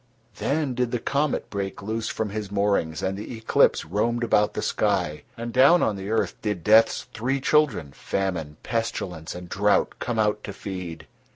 Then did the comet break loose from his moorings and the eclipse roamed about the sky, and down on the earth did Death's three children—Famine, Pestilence, and Drought—come out to feed.